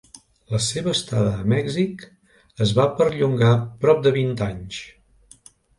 La seva estada a Mèxic es va perllongar prop de vint anys.